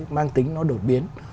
mang tính nó đột biến